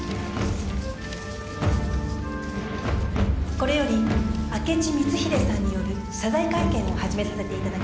これより明智光秀さんによる謝罪会見を始めさせて頂きます。